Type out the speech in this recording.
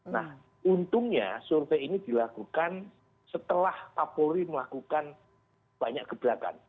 nah untungnya survei ini dilakukan setelah kapolri melakukan banyak gebrakan